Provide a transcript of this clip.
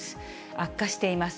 悪化しています。